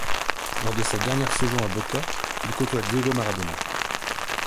Lors de sa dernière saison à Boca, il côtoie Diego Maradona.